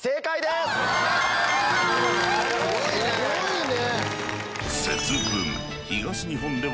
すごいね。